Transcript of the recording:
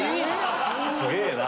すげぇな。